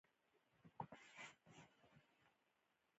د چمدان زپ شوی و.